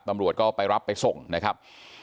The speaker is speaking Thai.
ตำรวจก็ไปรับไปส่งนะครับ